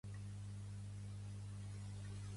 Si us plau, trobeu-me el llibre "Step Into My Groove".